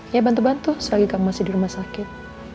ya bantu bantu selagi kami masih di rumah sakit